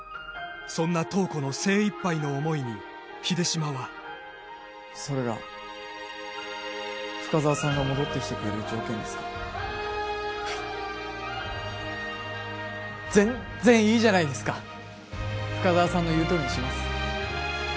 そんな塔子の精いっぱいの思いに秀島はそれが深沢さんが戻ってきてくれる条件ですかはい全然いいじゃないですか深沢さんの言うとおりにします